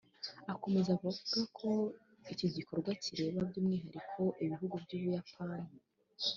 Akomeza avuga ko iki gikorwa kireba by’umwihariko ibihugu by’u Buyapani